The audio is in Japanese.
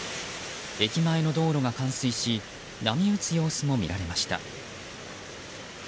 駅前の道路が冠水し波打つ様子も見られました。